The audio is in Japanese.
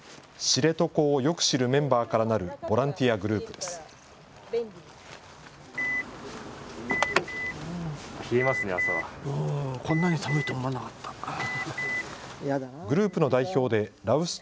知床をよく知るメンバーからなるボランティアグループです。